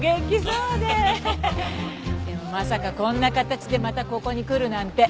でもまさかこんな形でまたここに来るなんて。